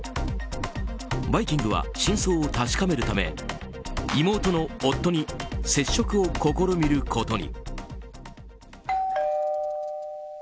「バイキング」は真相を確かめるため妹の夫に接触を試みることに。